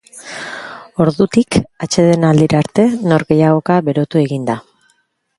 Ordutik atsedenaldira arte, norgehiagoka berotu egin da.